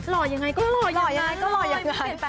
หล่อยยังไงก็หล่อยอย่างนั้นเลย